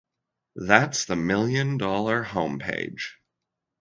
That's The Million Dollar Homepage.